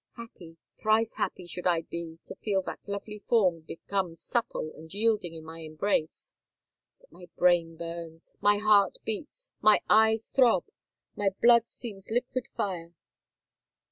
Happy—thrice happy should I be to feel that lovely form become supple and yielding in my embrace! But my brain burns—my heart beats—my eyes throb—my blood seems liquid fire!"